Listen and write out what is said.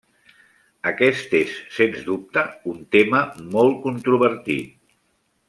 Aquest és sens dubte, un tema molt controvertit.